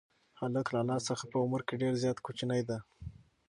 هلک له انا څخه په عمر کې ډېر زیات کوچنی دی.